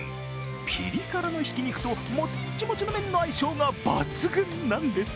ピリ辛のひき肉ともっちもちの麺の相性が抜群なんです。